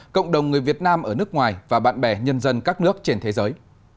cộng đồng người việt nam ở nước ngoài và bạn bè nhân dân các nước trên thế giới